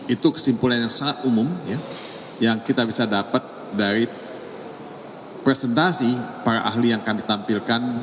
itu kesimpulan yang sangat umum yang kita bisa dapat dari presentasi para ahli yang kami tampilkan